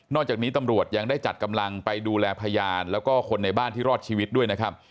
จากนี้ตำรวจยังได้จัดกำลังไปดูแลพยานแล้วก็คนในบ้านที่รอดชีวิตด้วยนะครับ